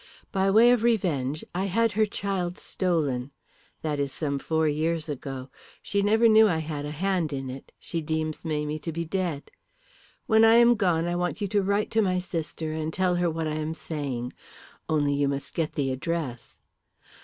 By way of revenge I had her child stolen. That is some four years ago. She never knew I had a hand in it; she deems Mamie to be dead. When I am gone I want you to write to my sister and tell her what I am saying. Only you must get the address."